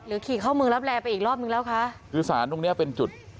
ขี่เข้าเมืองรับแรไปอีกรอบนึงแล้วคะคือสารตรงเนี้ยเป็นจุด